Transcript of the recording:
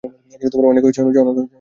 অনেক হয়েছে, অনুযা।